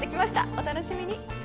お楽しみに。